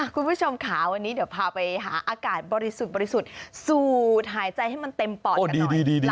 คุณผู้ชมค่ะวันนี้เดี๋ยวพาไปหาอากาศบริสุทธิ์บริสุทธิ์สูดหายใจให้มันเต็มปอดกันหน่อย